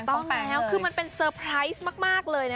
ถูกต้องแล้วคือมันเป็นสะพรัสมากเลยนะคะ